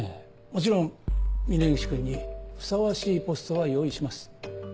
もちろん峰岸君にふさわしいポストは用意します。